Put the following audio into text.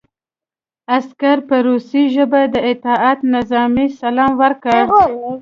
عسکر په روسي ژبه د اطاعت نظامي سلام وکړ